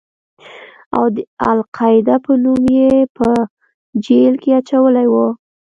او د القاعده په نوم يې په جېل کښې اچولى و.